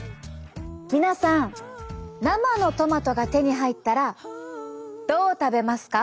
皆さん生のトマトが手に入ったらどう食べますか？